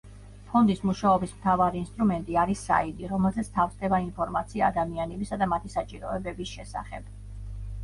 ფონდის მუშაობის მთავარი ინსტრუმენტი არის საიტი, რომელზეც თავსდება ინფორმაცია ადამიანებისა და მათი საჭიროებების შესახებ.